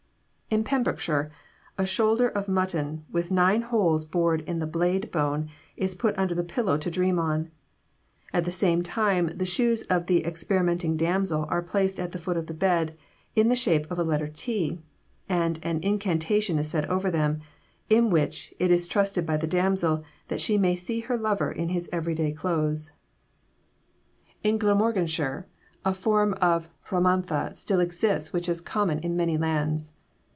In Pembrokeshire a shoulder of mutton, with nine holes bored in the blade bone, is put under the pillow to dream on. At the same time the shoes of the experimenting damsel are placed at the foot of the bed in the shape of a letter T, and an incantation is said over them, in which it is trusted by the damsel that she may see her lover in his every day clothes. In Glamorganshire a form of rhamanta still exists which is common in many lands.